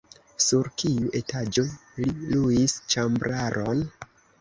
Sur kiu etaĝo li luis ĉambraron?